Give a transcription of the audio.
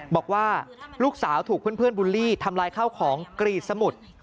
บอกว่าลูกสาวถูกเพื่อนบูลลี่ทำลายข้าวของกรีดสมุด